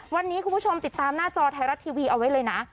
วันนี้คุณผู้ชมติดตามหน้าจอไทยรัฐทีวีเอาไว้เลยนะ